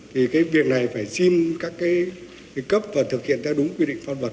thì cái việc này phải xin các cái cấp và thực hiện theo đúng quy định pháp luật